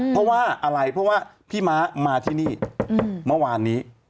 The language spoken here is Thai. เพราะว่าอะไรเพราะว่าพี่ม้ามาที่นี่เมื่อวานนี้